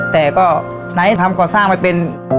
แต่ก็ไหนทำก่อสร้างไม่เป็น